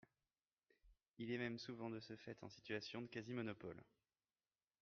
Il est même souvent de ce fait en situation de quasi-monopole.